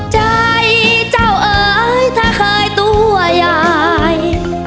ใจเจ้าเอ๋ยถ้าเคยตัวใหญ่